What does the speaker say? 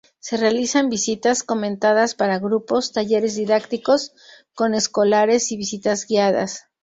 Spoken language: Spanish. Se realizan visitas comentadas para grupos, talleres didácticos con escolares y visitas guiadas.